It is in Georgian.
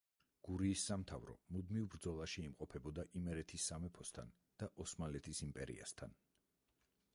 გურიის სამთავრო მუდმივ ბრძოლაში იმყოფებოდა იმერეთის სამეფოსთან და ოსმალეთის იმპერიასთან.